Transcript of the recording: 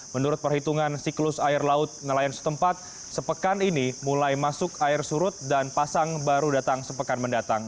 menurut perhitungan siklus air laut nelayan setempat sepekan ini mulai masuk air surut dan pasang baru datang sepekan mendatang